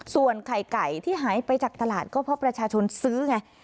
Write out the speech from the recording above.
ส่วนไข่ไก่ที่หายไปจากตลาดก็เพราะประชาชนซื้อไง